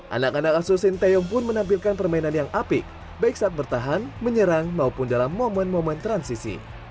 anak anak asuh sinteyong pun menampilkan permainan yang apik baik saat bertahan menyerang maupun dalam momen momen transisi